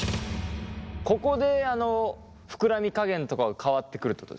ここでふくらみ加減とかが変わってくるってことですか？